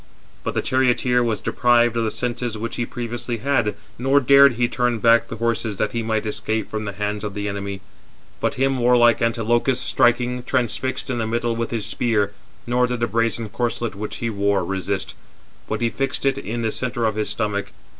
But the charioteer was deprived of the senses which he previously had, nor dared he turn back the horses that he might escape from the hands of the enemy: but him warlike Antilochus, striking, transfixed in the middle with his spear; nor did the brazen corslet which he wore resist, but he fixed it in the centre of his stomach.